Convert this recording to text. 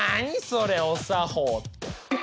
それお作法って。